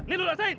nih lu dasarin